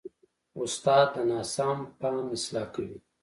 استاد د ناسم فهم اصلاح کوي.